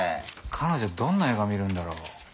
彼女どんな映画見るんだろ？